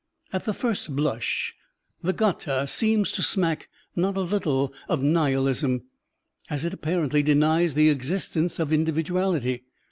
At the first blush the g^th^ seems to smack not a little of nihilism, as it apparently denies the existence of individuality.